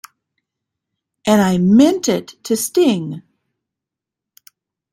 And I meant it to sting.